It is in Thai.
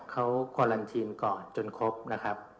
เขาควาลันทีนก่อนจนครบนะครับ